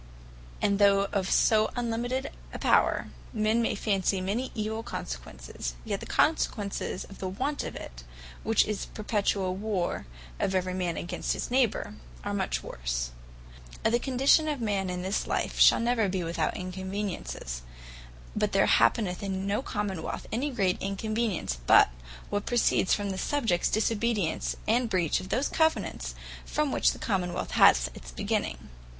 And though of so unlimited a Power, men may fancy many evill consequences, yet the consequences of the want of it, which is perpetuall warre of every man against his neighbour, are much worse. The condition of man in this life shall never be without Inconveniences; but there happeneth in no Common wealth any great Inconvenience, but what proceeds from the Subjects disobedience, and breach of those Covenants, from which the Common wealth had its being.